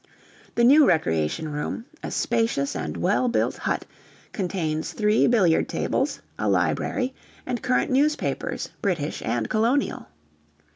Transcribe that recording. The new recreation room, a spacious and well built "hut," contains three billiard tables, a library, and current newspapers, British and Colonial.